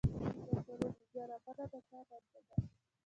د ځنګلونو بیا رغونه د چا دنده ده؟